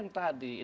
ini adalah ekspresi